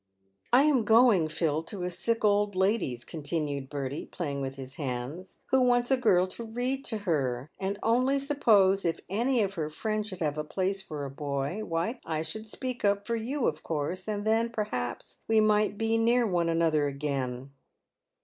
" I am going, Phil, to a sick old lady's," continued Bertie, playing with his hands, " who wants a girl to read to her ; and only suppose if any of her friends should have a place for a boy, why I should speak up for you of course, and then, perhaps, we might be near one another again."